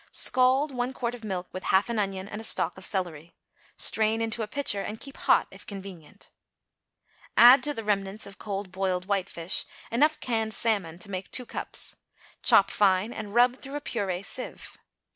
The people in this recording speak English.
= Scald one quart of milk, with half an onion and a stalk of celery; strain into a pitcher and keep hot if convenient. Add to the remnants of cold boiled white fish enough canned salmon to make two cups; chop fine and rub through a purée sieve.